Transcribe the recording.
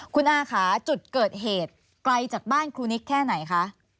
คุณอาค่ะจุดเกิดเหตุไกลจากบ้านครูนิกแค่ไหนคะ